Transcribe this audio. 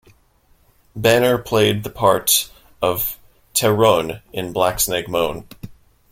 Banner played the part of Tehronne in "Black Snake Moan".